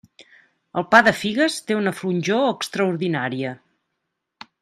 El pa de figues té una flonjor extraordinària.